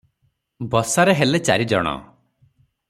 ବସାରେ ହେଲେ ଚାରିଜଣ ।